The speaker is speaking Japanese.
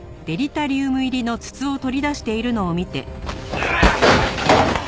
うわっ！